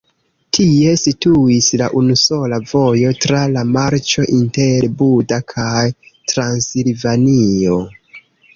Tie situis la unusola vojo tra la marĉo inter Buda kaj Transilvanio.